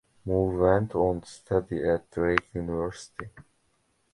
Moore went on to study at Drake University.